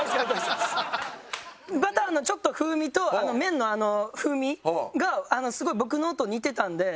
バターのちょっと風味と麺の風味がすごい僕のと似てたんで。